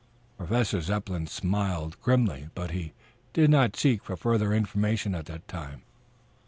Professor Zepplin smiled grimly, but he did not seek for further information at that time.